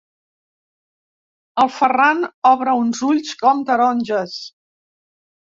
El Ferran obre uns ulls com taronges.